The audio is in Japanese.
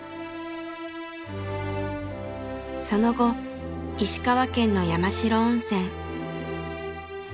その後石川県の山代温泉。